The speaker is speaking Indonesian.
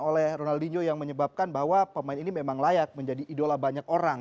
oleh ronaldinho yang menyebabkan bahwa pemain ini memang layak menjadi idola banyak orang